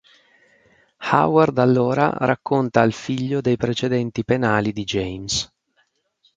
Howard allora racconta al figlio dei precedenti penali di James.